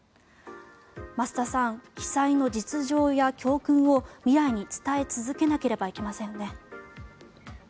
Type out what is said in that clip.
増田さん、被災の実情や教訓を未来に伝え続けなければいけませんね。